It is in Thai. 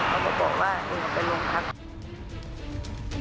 เขาก็บอกว่าเอาไปลงครับ